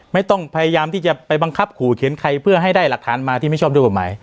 ไม่ต้องพยายามที่จะไปบังคับขู่เขียนใครเพื่อให้ได้หลักฐานมาที่ไม่ชอบด้วยกฎหมาย